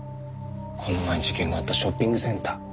この前事件があったショッピングセンター。